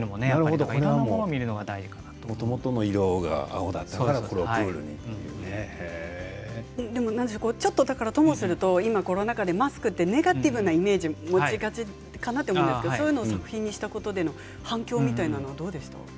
いろんなものを見るのがもともとの色がちょっとともするとコロナ禍でマスクてネガティブなイメージを持ちがちかなと思うんですけどそういうことを作品にしたことへの反響はどうでしたか。